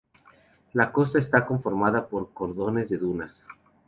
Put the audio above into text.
La costa está conformada por cordones de dunas.